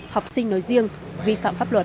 học sinh nói riêng vi phạm pháp luật